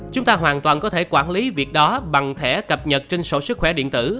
chúng ta hoàn toàn có thể quản lý việc đó bằng thẻ cập nhật trên sổ sức khỏe điện tử